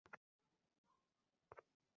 এই সাতদিন তোর, যা।